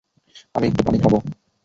আমি একটু পানি খাবো।